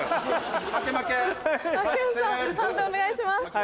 判定お願いします。